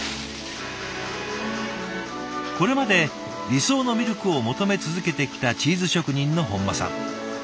これまで理想のミルクを求め続けてきたチーズ職人の本間さん。